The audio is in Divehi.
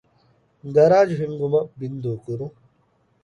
ގަރާޖް ހިންގުމަށް ބިންދޫކުރުން